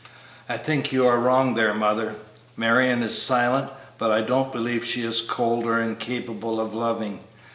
"I think you are wrong there, mother. Marion is silent, but I don't believe she is cold or incapable of loving.